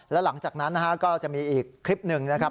แล้วหลังจากนั้นนะฮะก็จะมีอีกคลิปหนึ่งนะครับ